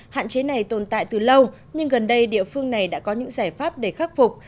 hạn chế này tồn tại từ lâu nhưng gần đây địa phương này đã có những giải pháp để khắc phục